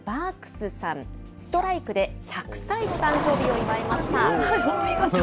ストライクで１００歳の誕生日を祝いました。